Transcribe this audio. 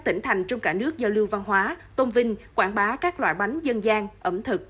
năm tỉnh thành trong cả nước giao lưu văn hóa tôn vinh quảng bá các loại bánh dân gian ẩm thực